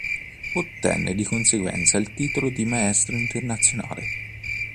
Ottenne di conseguenza il titolo di Maestro Internazionale.